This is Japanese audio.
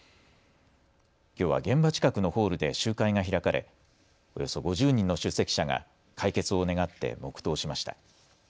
きょうは現場近くのホールで集会が開かれおよそ５０人の出席者が解決を願って黙とうしました。